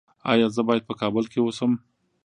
ایا زه باید په کابل کې اوسم؟